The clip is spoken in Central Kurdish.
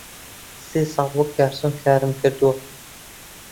سێ ساڵ وەک گارسۆن کارم کردووە.